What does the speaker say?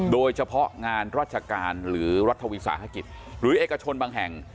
โดยเฉพาะงานราชการหรือรัฐวิสาหกิจหรือเอกชนบางแห่ง